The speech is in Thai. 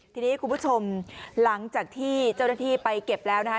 ทีนี้คุณผู้ชมหลังจากที่เจ้าหน้าที่ไปเก็บแล้วนะคะ